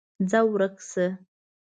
ځه ورک شه!